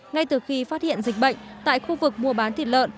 ngay từ khi phát hiện dịch bệnh tại khu vực mua bán thịt lợn